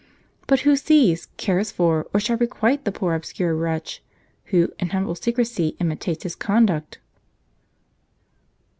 But who sees, cares for, or shall requite, the poor obscure wretch, who in humble secrecy imitates his conduct?